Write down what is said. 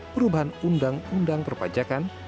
perubahan undang undang perpajakan